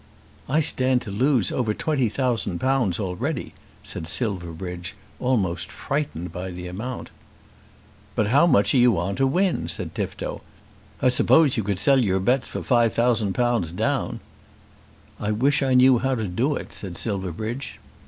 "I stand to lose over £20,000 already," said Silverbridge, almost frightened by the amount. "But how much are you on to win?" said Tifto. "I suppose you could sell your bets for £5,000 down." "I wish I knew how to do it," said Silverbridge.